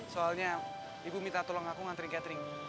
soalnya ibu minta tolong aku ngantri catering